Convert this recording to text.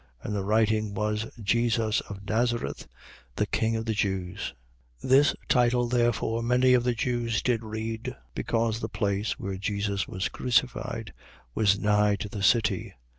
And the writing was: JESUS OF NAZARETH, THE KING OF THE JEWS. 19:20. This title therefore many of the Jews did read: because the place where Jesus was crucified was nigh to the city.